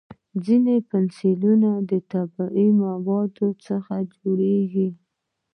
ځینې پنسلونه د طبیعي موادو څخه جوړېږي.